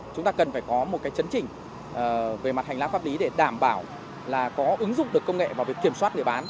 chúng ta cần phải có một cái chấn chỉnh về mặt hành lang pháp lý để đảm bảo là có ứng dụng được công nghệ vào việc kiểm soát địa bán